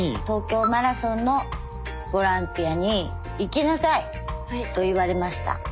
東京マラソンのボランティアに行きなさいと言われました。